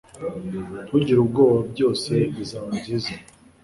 Ntugire ubwoba Byose bizaba byiza